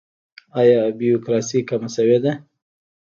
آیا بروکراسي کمه شوې ده؟